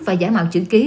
và giả mạo chữ ký